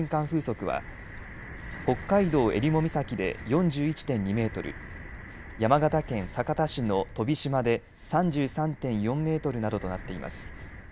風速は北海道えりも岬で４１．２メートル、山形県酒田市の飛島で３３．４メートルなどとなっています。